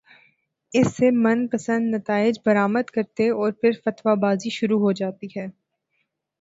اس سے من پسندنتائج برآمد کرتے اورپھر فتوی بازی شروع ہو جاتی ہے۔